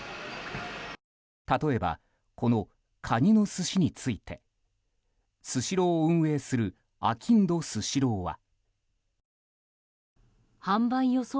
例えば、このカニの寿司についてスシローを運営するあきんどスシローは。